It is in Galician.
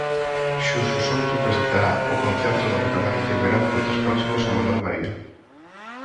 Xurxo Souto presentará o concerto no que tamén intervirán poetas próximos a Manuel María.